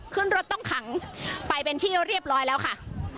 ขึ้นรถต้องขังไปเป็นที่เรียบร้อยแล้วค่ะ